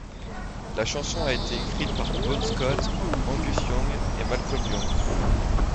La chanson a été écrite par Bon Scott, Angus Young et Malcolm Young.